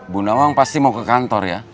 bu nawang pasti mau ke kantor ya